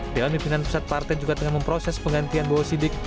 dewan pimpinan pusat partai juga tengah memproses penggantian bowo sidik